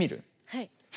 はい。